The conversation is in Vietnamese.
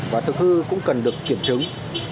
và thực hư cũng cần được kiểm chứng